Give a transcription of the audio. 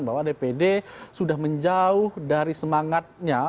bahwa dpd sudah menjauh dari semangatnya